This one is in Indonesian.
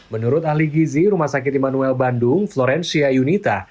menurut ahli gizi rumah sakit immanuel bandung florencia yunita